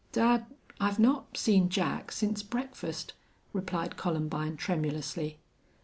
"Dad I've not seen Jack since breakfast," replied Columbine, tremulously.